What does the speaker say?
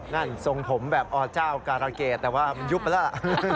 ทรงผมแบบอเจ้าการะเกดแต่ว่ามันยุบไปแล้วล่ะ